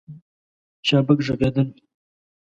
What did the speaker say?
چابک ږغېدل